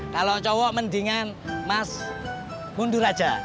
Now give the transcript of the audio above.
kalau cowok mendingan mas mundur aja